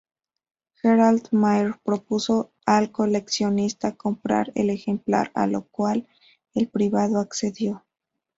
Gerald Mayr propuso al coleccionista comprar el ejemplar, a lo cual el privado accedió.